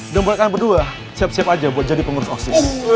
udah membuatkan berdua siap siap aja buat jadi pengurus osis